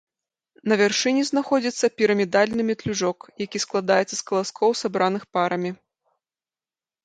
На вяршыні знаходзіцца пірамідальны метлюжок, які складаецца з каласкоў, сабраных парамі.